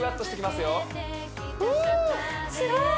すごーい